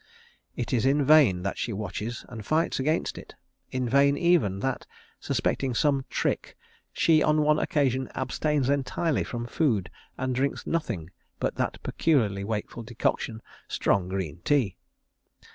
It is in vain that she watches and fights against it in vain even that, suspecting "some trick" she on one occasion abstains entirely from food, and drinks nothing but that peculiarly wakeful decoction, strong green tea.